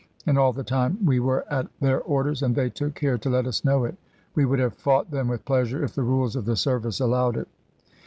And all the time we were at their orders, and they took care to let us know it! We would have fought them with pleasure, if the rules of the service allowed it.